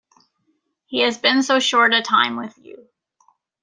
He has been so short a time with you.